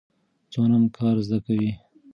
ځوانان کار زده کوي.